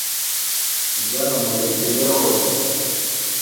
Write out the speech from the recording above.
mubyamamaze bigere hose